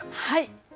はい。